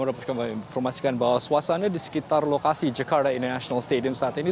saya ingin memberikan informasi bahwa suasana di sekitar lokasi jakarta international stadium saat ini